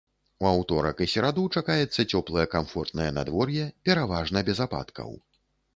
У аўторак і сераду чакаецца цёплае камфортнае надвор'е, пераважна без ападкаў.